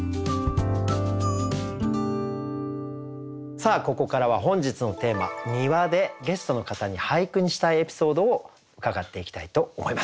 さあここからは本日のテーマ「庭」でゲストの方に俳句にしたいエピソードを伺っていきたいと思います。